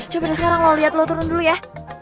coba deh sekarang lo lihat lo turun dulu ya